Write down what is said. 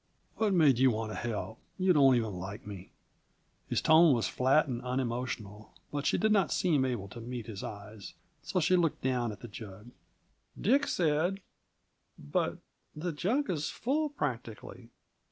"What made you want to help? You don't even like me." His tone was flat and unemotional, but she did not seem able to meet his eyes. So she looked down at the jug. "Dick said but the jug is full practically.